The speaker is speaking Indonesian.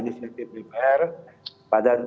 inisiatif dpr pada